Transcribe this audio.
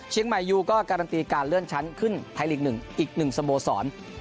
ยูก็การันตีการเลื่อนชั้นขึ้นไทยลีก๑อีก๑สโมสร